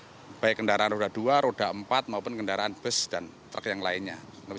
baik kendaraan roda dua roda empat maupun kendaraan bus dan truk yang lainnya